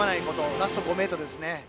ラスト５ｍですね。